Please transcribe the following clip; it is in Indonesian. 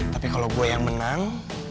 tapi kalau gue yang menang